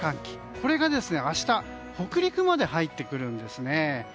これが明日、北陸まで入ってくるんですね。